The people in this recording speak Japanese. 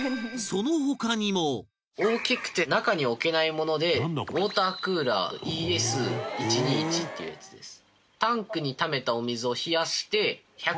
その他にも隆貴君：大きくて中に置けないものでウォータークーラーＥＳ１２１っていうやつです。